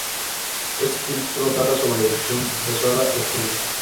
Este capítulo trata sobre el fin de Soda Stereo.